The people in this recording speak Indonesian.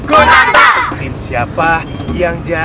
kun anta tim siapa yang jatuh